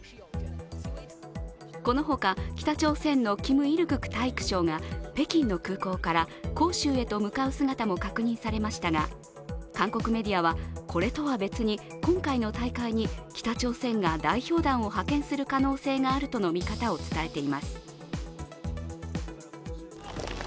このほか、北朝鮮のキム・イルグク体育相が北京の空港から杭州へと向かう姿も確認されましたが、韓国メディアはこれとは別に今回の大会に北朝鮮が代表団を派遣する可能性があるとの見方を伝えています。